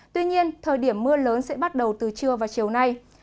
tuy nhiên thời điểm mưa lớn sẽ bắt đầu từ trưa và chiều nay